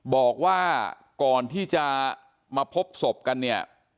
บอกว่าก่อนที่จะมาพบศพกันเนี่ย